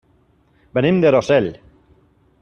Venim de Rossell.